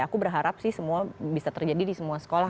aku berharap sih semua bisa terjadi di semua sekolah